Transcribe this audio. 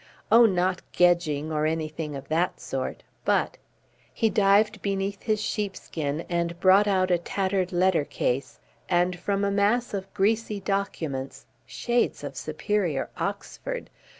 Oh! not Gedging or anything of that sort but " he dived beneath his sheepskin and brought out a tattered letter case and from a mass of greasy documents (shades of superior Oxford!)